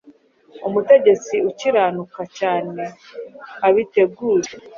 Umutegetsi ukiranuka cyane abitegure